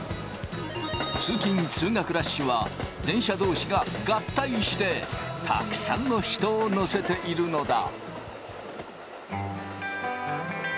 通勤・通学ラッシュは電車同士が合体してたくさんの人を乗せているのだ。